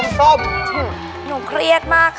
ส้มเครียดมาก